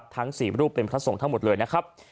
ทั้ง๔รูปเป็นพระสงฆ์ทั้งหมดเลยนะครับ